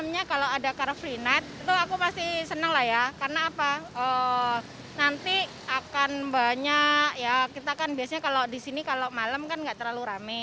nanti akan banyak ya kita kan biasanya kalau disini kalau malam kan nggak terlalu rame